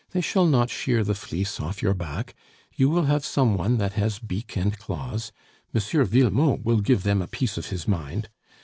They shall not shear the fleece off your back. You will have some one that has beak and claws. M. Villemot will give them a piece of his mind.